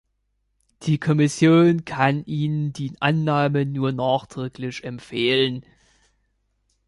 Die Kommission kann Ihnen die Annahme nur nachdrücklich empfehlen.